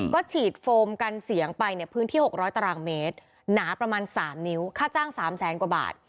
ก็ฉีดโฟมกันเสียงไปในพื้นที่๖๐๐ตารางเมตรหนาประมาณ๓นิ้วค่าจ้าง๓แสนกว่าบาท